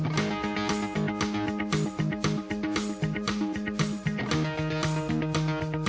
น้ำจีนเนี่ย๓น้ำยาอยู่ข้างหน้าเลยมี